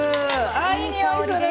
あいい匂いする！